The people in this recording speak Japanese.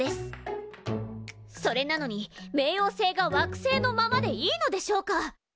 それなのに冥王星が惑星のままでいいのでしょうか？